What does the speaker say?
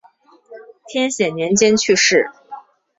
天显年间去世。